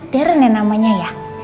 darah nih namanya ya